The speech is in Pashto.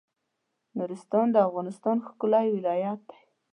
نورستان د افغانستان ښکلی ولایت دی